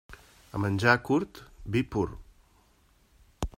A menjar curt, vi pur.